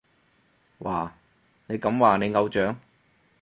哇，你咁話你偶像？